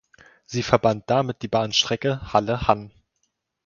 Sie verband damit die Bahnstrecke Halle–Hann.